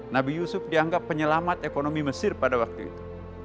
nabi yusuf dianggap penyelamat ekonomi mesir pada waktu itu